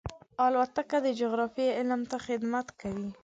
الوتکه د جغرافیې علم ته خدمت کوي.